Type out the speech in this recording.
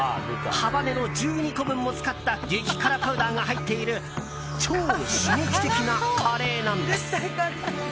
ハバネロ１２個分も使った激辛パウダーが入っている超刺激的なカレーなんです。